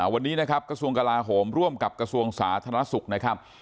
วันนี้นะครับกระทรวงกลาโหมร่วมกับกระทรวงสาธารณสุขนะครับ